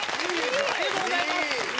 ありがとうございます！